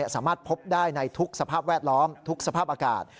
สามารถพบได้ในทุกสภาพแวดล้อมทุกสภาพอากาศ